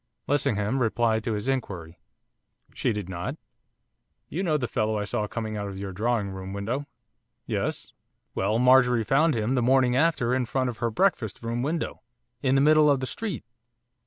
Lessingham replied to his inquiry. 'She did not.' 'You know the fellow I saw coming out of your drawing room window?' 'Yes.' 'Well, Marjorie found him the morning after in front of her breakfast room window in the middle of the street.